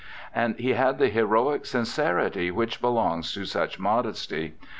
And he had the heroic sincerity which belongs to such modesty.